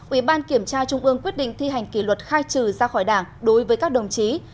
ủy ban kiểm tra trung ương quyết định thi hành kỷ luật khai trừ ra khỏi đảng đối với các đồng chí